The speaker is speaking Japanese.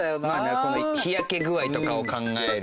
この日焼け具合とかを考える。